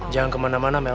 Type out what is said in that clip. jangan kemana mana mel